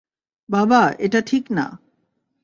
বাবা, এটা ঠিক না।